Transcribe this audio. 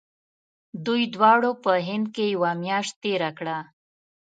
دوی دواړو په هند کې یوه میاشت تېره کړه.